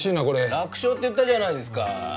楽勝って言ったじゃないですか。